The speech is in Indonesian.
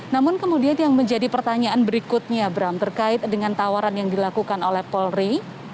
namun kemudian yang menjadi pertanyaan berikutnya bram terkait dengan tawaran yang dilakukan oleh polri